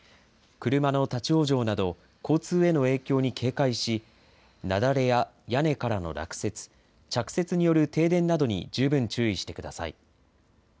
車の立往生など、交通への影響に警戒し、雪崩や屋根からの落雪、着雪による停電などに十分注意してください。